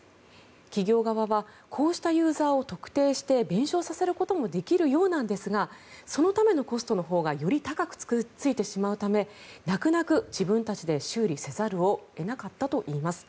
企業側はこうしたユーザーを特定して弁償させることもできるようなんですがそのためのコストのほうがより高くついてしまうため泣く泣く自分たちで修理せざるを得なかったといいます。